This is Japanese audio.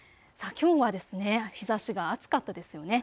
きょうは日ざしが暑かったですよね。